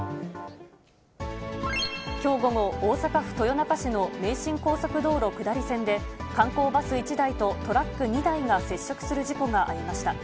きょう午後、大阪府豊中市の名神高速道路下り線で、観光バス１台とトラック２台が接触する事故がありました。